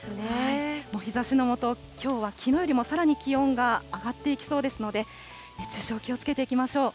もう日ざしの下、きょうはきのうよりもさらに気温が上がっていきそうですので、熱中症、気をつけていきましょう。